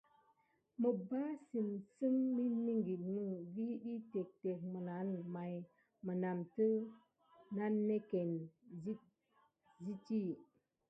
Məpbassitsəm migilmə vi ɗyi téctéc naməŋ, may mənatə nannéckéne sit zitti.